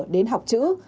đến học chữ